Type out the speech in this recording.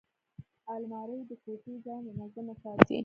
الماري د کوټې ځای منظمه ساتي